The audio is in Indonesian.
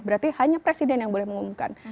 berarti hanya presiden yang boleh mengumumkan